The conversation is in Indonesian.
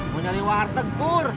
mau nyari warteg burr